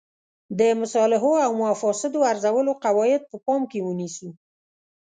د مصالحو او مفاسدو ارزولو قواعد په پام کې ونیسو.